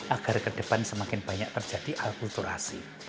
agar ke depan semakin banyak terjadi akulturasi